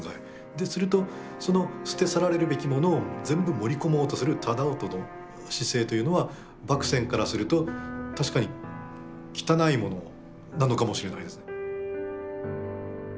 するとその捨て去られるべきものを全部盛り込もうとする楠音の姿勢というのは麦僊からすると確かに穢いものなのかもしれないですね。